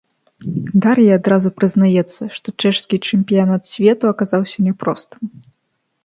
Дар'я адразу прызнаецца, што чэшскі чэмпіянат свету аказаўся няпростым.